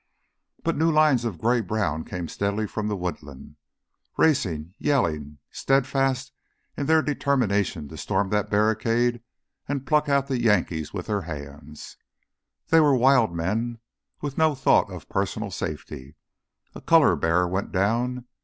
But new lines of gray brown came steadily from the woodland, racing, yelling, steadfast in their determination to storm that barricade and pluck out the Yankees with their hands. They were wild men, with no thought of personal safety. A color bearer went down.